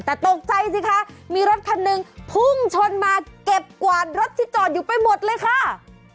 แต่ตกใจสิคะมีรถคันหนึ่งพุ่งชนมาเก็บกวาดรถที่จอดอยู่ไปหมดเลยค่ะ